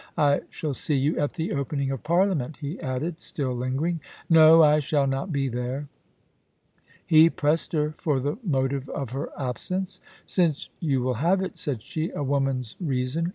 * I shall see you at the Opening of Parliament,' he added, still lingering. * No ; I shall not be there.' He pressed her for the motive of her absence. * Since you will have it,' said she^ *a woman's reason.